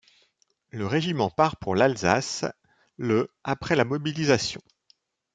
Le régiment part pour l'Alsace le après la mobilisation.